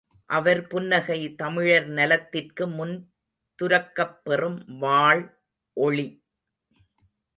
அவர் புன்னகை தமிழர் நலத்திற்கு முன் துரக்கப்பெறும் வாள் ஒளி!